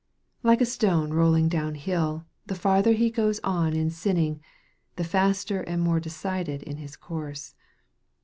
Like a stone rolling down hill, the further he goes on in sin ning, the faster and more decided is his course.